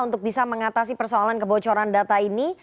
untuk bisa mengatasi persoalan kebocoran data ini